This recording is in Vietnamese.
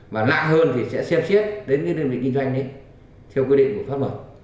và lạ hơn thì sẽ xếp xếp đến đơn vị kinh doanh theo quy định của pháp luật